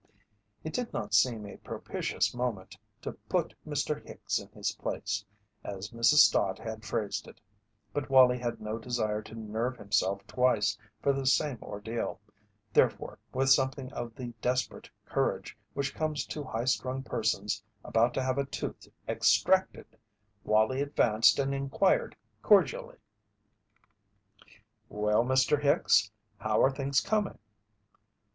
It did not seem a propitious moment to "put Mr. Hicks in his place," as Mrs. Stott had phrased it, but Wallie had no desire to nerve himself twice for the same ordeal; therefore, with something of the desperate courage which comes to high strung persons about to have a tooth extracted, Wallie advanced and inquired cordially: "Well, Mr. Hicks, how are things coming?"